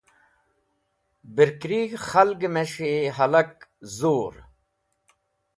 Bẽrkurig̃h khalgẽ mes̃hi hẽlaki zur.